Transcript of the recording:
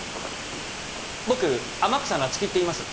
僕天草那月っていいます。